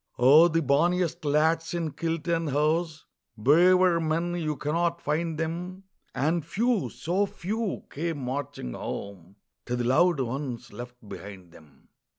Oh, the bonniest lads in kilt and hose Braver men, you cannot find them And few, so few, came marching home To the loved ones left behind them.